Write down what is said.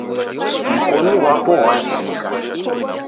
Mkonu ghwapo ghwachika.